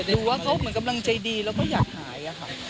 หรือว่าเขาเหมือนกำลังใจดีแล้วก็อยากหายอะค่ะ